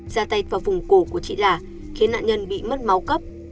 ra tay vào vùng cổ của chị là khiến nạn nhân bị mất máu cấp